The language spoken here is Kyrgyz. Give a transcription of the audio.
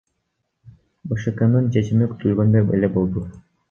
БШКнын чечими күтүлгөндөй эле болду.